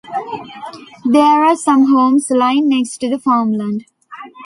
There are some homes lying next to the farmland.